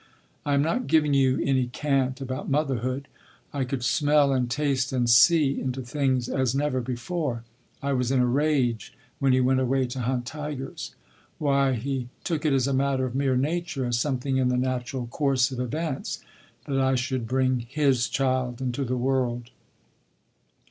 I am not giving you any cant about motherhood. I could smell and taste and see into things as never before. I was in a rage when he went away to hunt tigers. Why, he took it as a matter of mere nature—as something in the natural course of events—that I should bring his child into the world.